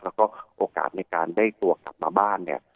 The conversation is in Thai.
แล้วก็โอกาสในการได้ตัวกลับมาบ้านเนี่ย